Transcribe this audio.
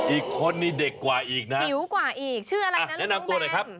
อีกคนนี่เด็กกว่าอีกนะจิ๋วกว่าอีกชื่ออะไรนะแนะนำตัวหน่อยครับ